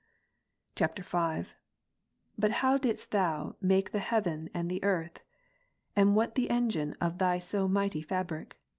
[V.] 7. But how didst Thou ??ia Are the heaven and the earth? and what the engine of Thy so mighty fabric